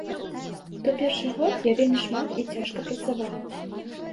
То першы год я вельмі шмат і цяжка працаваў.